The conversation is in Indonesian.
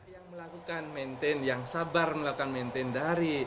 yang melakukan maintain yang sabar melakukan maintain dari